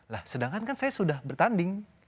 lah sedangkan kan saya sudah bertanding